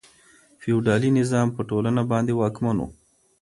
فیوډالي نظام په ټولنه باندې واکمن و.